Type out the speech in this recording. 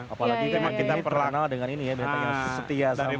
apalagi kita terkenal dengan ini ya setia sama awam